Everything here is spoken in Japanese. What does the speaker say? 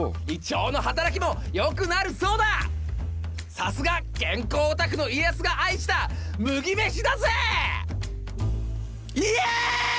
さすが健康オタクの家康が愛した麦飯だぜ！